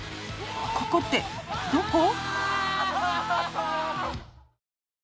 「ここってどこ？」